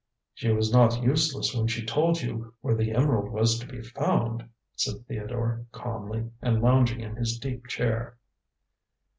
"She was not useless when she told you where the emerald was to be found," said Theodore calmly, and lounging in his deep chair.